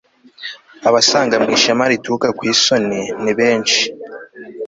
abasanga mu ishema rituruka ku isoni, nibenshi